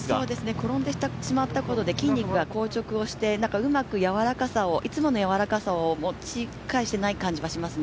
転んでしまったことで筋肉が硬直してしまってうまくいつものやわらかさを持ち返していない感じがしますね。